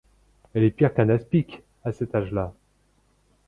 Elle est pire qu'un aspic, à cet âge-là.